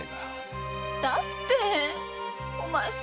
だってお前さん。